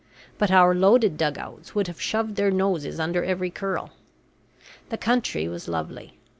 But our loaded dugouts would have shoved their noses under every curl. The country was lovely.